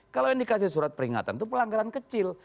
kalau yang dikasih surat peringatan itu pelanggaran kecil